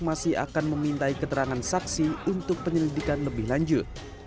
masih akan memintai keterangan saksi untuk penyelidikan lebih lanjut